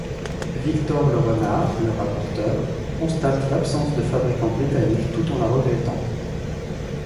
Victor le Renard, le rapporteur, constate l'absence de fabricants britanniques tout en la regrettant.